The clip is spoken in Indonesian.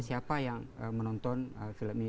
siapa yang menonton film ini